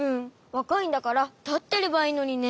わかいんだからたってればいいのにね。